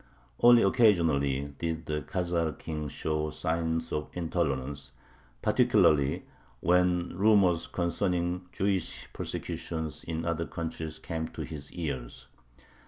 Only occasionally did the Khazar king show signs of intolerance, particularly when rumors concerning Jewish persecutions in other countries came to his ears.